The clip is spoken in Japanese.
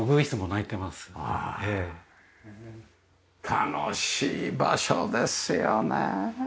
楽しい場所ですよね。